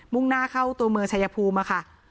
่งหน้าเข้าตัวเมืองชายภูมิค่ะ